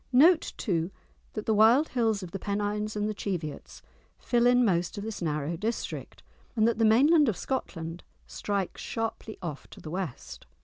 Note, too, that the wild hills of the Pennines and the Cheviots fill in most of this narrow district, and that the mainland of Scotland strikes sharply off to the west.